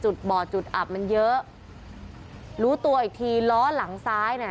บ่อจุดอับมันเยอะรู้ตัวอีกทีล้อหลังซ้ายน่ะ